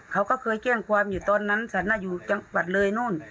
เขาก็เคยแจ้งความอยู่ตอนนั้นฉันน่ะอยู่จังหวัดเลยนู่น